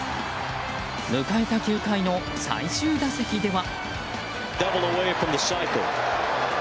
迎えた９回の最終打席では。